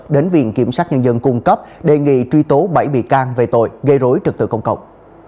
đến viện kiểm sát nhân dân cung cấp đề nghị truy tố bảy bị can về tội gây rối trực tự công cộng